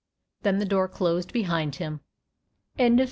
Then the door closed behind him. PHILLIS.